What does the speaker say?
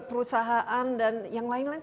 perusahaan dan yang lain lain